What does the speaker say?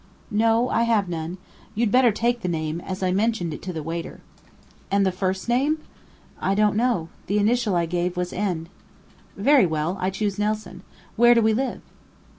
"No, I have none. You'd better take the name, as I mentioned it to the waiter." "And the first name?" "I don't know. The initial I gave was N." "Very well, I choose Nelson. Where do we live?"